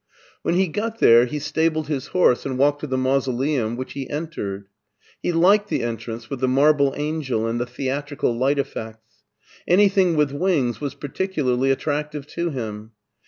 When he got there he stabled his horse and walked to the Mausoleum, which he entered. He liked the entrance with the marble angel and the theatrical light effects. Anything with wings was particularly attractive to him.